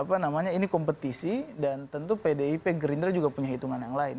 apa namanya ini kompetisi dan tentu pdip gerindra juga punya hitungan yang lain